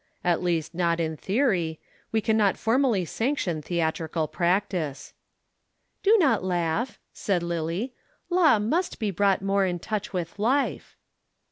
"At least not in theory; we cannot formally sanction theatrical practice." "Do not laugh," said Lillie. "Law must be brought more in touch with life."